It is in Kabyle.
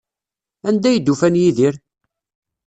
Anda ay d-ufan Yidir?